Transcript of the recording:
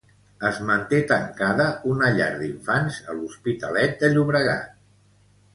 Es manté tancada una llar d'infants a l'Hospitalet de Llobregat.